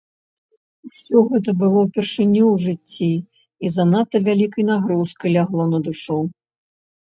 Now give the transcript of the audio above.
Усё гэта было ўпершыню ў жыцці і занадта вялікай нагрузкай лягло на душу.